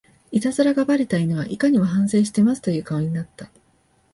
イタズラがバレた犬はいかにも反省してますという顔になった